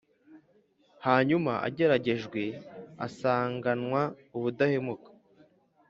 hanyuma ageragejwe asanganwa ubudahemuka.